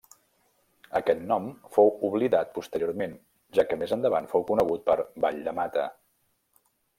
Aquest nom fou oblidat posteriorment, ja que més endavant fou conegut per Vall de Mata.